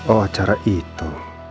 oh acara itu